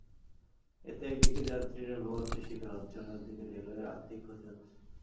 এতে একদিকে যাত্রীরা ভোগান্তির শিকার হচ্ছেন, অন্যদিকে রেলওয়ের আর্থিক ক্ষতি হচ্ছে।